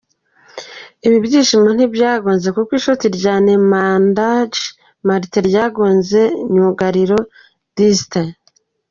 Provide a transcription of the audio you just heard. Ibi byishimo ntibyarambye kuko ishoti rya Nemandja Matic ryagonze myugariro Distin.